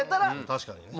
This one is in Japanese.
確かにね